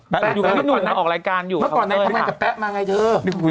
เมื่อก่อนนั้นเข้างานกับแป๊ะมาไงเธอ